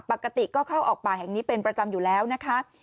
ปกติก็เข้าออกป่าแห่งนี้เป็นประจำอยู่แล้วนะคะ